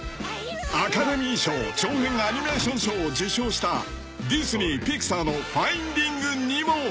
［アカデミー賞長編アニメーション賞を受賞したディズニー・ピクサーの『ファインディング・ニモ』を放送します］